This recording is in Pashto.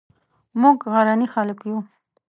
موږ غرني خلک یو